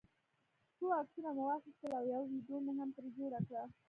څو عکسونه مې واخیستل او یوه ویډیو مې هم ترې جوړه کړه.